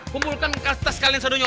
kumpulkan kertas kalian sadunyok